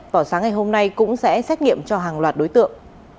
vào sáng ngày hôm nay cũng sẽ xét nghiệm cho hàng loạt đối tượng